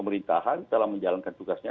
pemerintahan telah menjalankan tugasnya